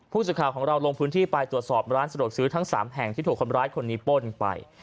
ผู้สื่อข่าวของเราลงพื้นที่ไปตรวจสอบร้านสะดวกซื้อทั้ง๓แห่งที่ถูกคนร้ายคนนี้ป้นไป